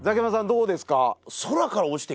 どうですか？